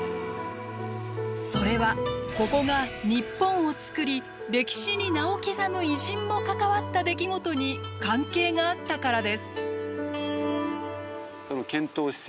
それはここが日本をつくり歴史に名を刻む偉人も関わった出来事に関係があったからです。